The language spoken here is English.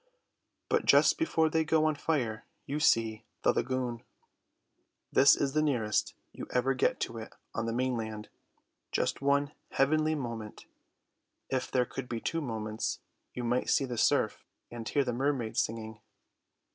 But just before they go on fire you see the lagoon. This is the nearest you ever get to it on the mainland, just one heavenly moment; if there could be two moments you might see the surf and hear the mermaids singing.